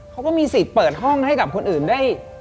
เขาก็มีสิทธิ์เปิดห้องให้กับคนอื่นได้